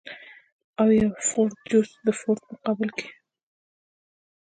او د يو فروټ جوس د فروټ پۀ مقابله کښې